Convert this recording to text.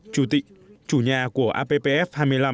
chủ tịch chủ nhà của appf hai mươi năm